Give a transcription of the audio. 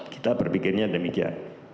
kita berpikirnya demikian